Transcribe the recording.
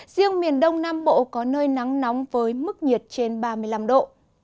riêng miền đông nam bộ có nơi nắng nóng với mức nhiệt trên ba mươi năm độ